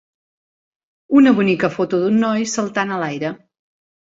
Una bonica foto d'un noi saltant a l'aire.